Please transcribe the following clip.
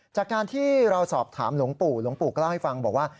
จากการที่เราสอบถามหลวงปู่หลวงปู่ก็เล่าให้ฟังบอกว่า